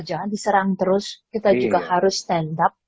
jangan diserang terus kita juga harus stand up